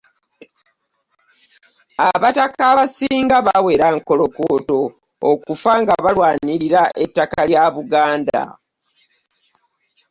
Ababaka abasinga bawera nkolokooto okufa nga balwanira ettaka kya buganda.